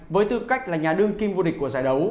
với tư cách là nhà đương kim vô địch của giải đấu